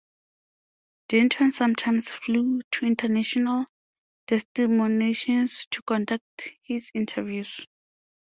Denton sometimes flew to international destinations to conduct his interviews.